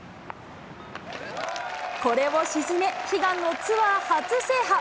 これを沈め、悲願のツアー初制覇。